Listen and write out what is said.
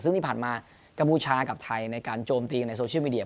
ซึ่งที่ผ่านมากัมพูชากับไทยในการโจมตีกันในโซเชียลมีเดีย